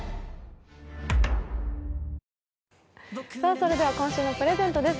それでは今週のプレゼントです。